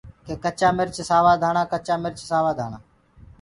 ڪي ڪچآ مرچ سآوآ ڌآڻآ ڪچآ مرچ سوآ ڌآڻآ۔